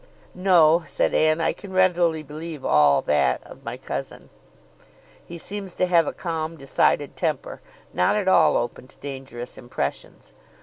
"No," said Anne, "I can readily believe all that of my cousin. He seems to have a calm decided temper, not at all open to dangerous impressions.